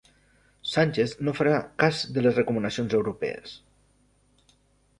Sánchez no farà cas de les recomanacions europees